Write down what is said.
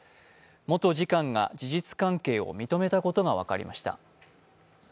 元次官が事実関係を認めたことが分かりました。